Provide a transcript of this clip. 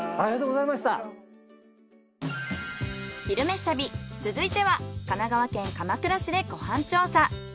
「昼めし旅」続いては神奈川県鎌倉市でご飯調査。